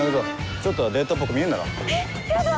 ちょっとはデートっぽく見えんだろ。